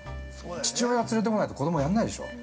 父親連れてこないと子供やんないでしょう。